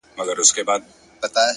علم د پرمختګ اساس جوړوي,